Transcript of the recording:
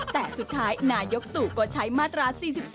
แต่สุดท้ายนายกตู่ก็ใช้มาตรา๔๔